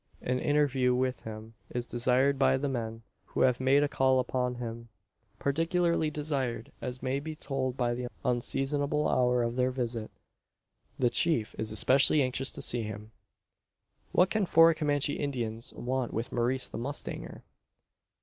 An interview with him is desired by the men, who have made a call upon him particularly desired, as may be told by the unseasonable hour of their visit. The chief is especially anxious to see him. What can four Comanche Indians want with Maurice the mustanger?